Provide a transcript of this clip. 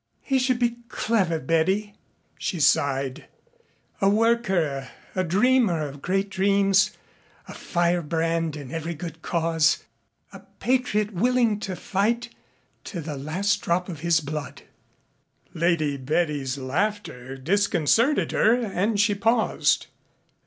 "He should be clever, Betty," she sighed, "a worker, a dreamer of great dreams, a firebrand in every good cause, a patriot willing to fight to the last drop of his blood " Lady Betty's laughter disconcerted her and she paused.